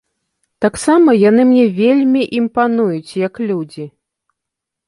Таксама яны мне вельмі імпануюць як людзі.